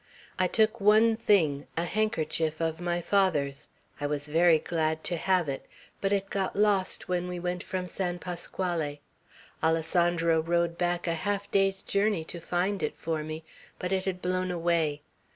I took one thing, a handkerchief of my father's. I was very glad to have it; but it got lost when we went from San Pasquale. Alessandro rode back a half day's journey to find it for me; but it had blown away.